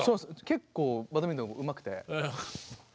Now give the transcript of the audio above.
結構バドミントンうまくて。